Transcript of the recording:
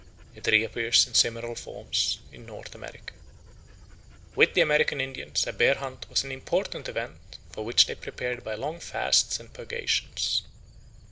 It reappears in similar forms in North America. With the American Indians a bear hunt was an important event for which they prepared by long fasts and purgations.